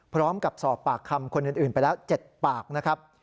พร้อมกับสอบปากคำคนอื่นไปแล้ว๗ปากนะครับ